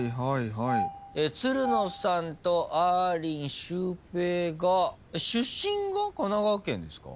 つるのさんとあーりんシュウペイが出身が神奈川県ですか？